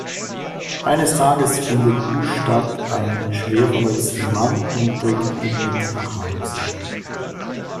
Eines Tages findet Ustad einen schwer verletzten Mann und bringt ihn mit nach Hause.